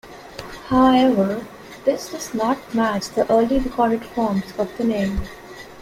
However, this does not match the early recorded forms of the name.